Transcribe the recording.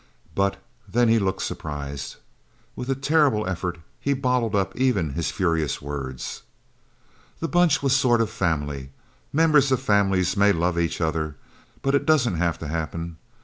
But then he looked surprised. With a terrible effort, he bottled up even his furious words. The Bunch was a sort of family. Members of families may love each other, but it doesn't have to happen.